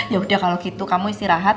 ya udah kalau gitu kamu istirahat